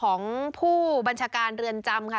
ซึ่งทางด้านของผู้บัญชาการเรือนจำค่ะ